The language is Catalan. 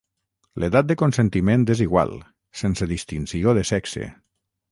L'edat de consentiment és igual, sense distinció de sexe.